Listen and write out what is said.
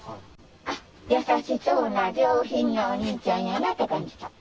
優しそうな、上品なお兄ちゃんやなって感じた。